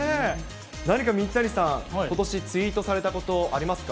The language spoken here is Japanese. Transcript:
何か水谷さん、ことしツイートされたことありますか？